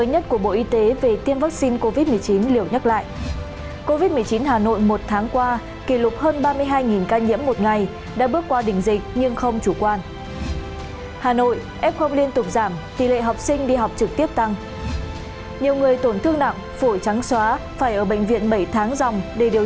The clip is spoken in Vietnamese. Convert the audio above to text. hãy đăng ký kênh để ủng hộ kênh của chúng mình nhé